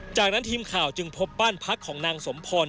จากนั้นทีมข่าวจึงพบบ้านพักของนางสมพร